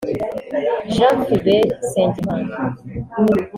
Jean Philbert Nsengimana